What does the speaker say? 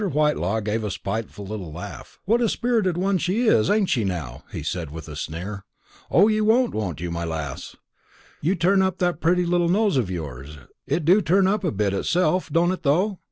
Whitelaw gave a spiteful little laugh. "What a spirited one she is, ain't she, now?" he said with a sneer. "O, you won't, won't you, my lass; you turn up that pretty little nose of yours it do turn up a bit of itself, don't it, though?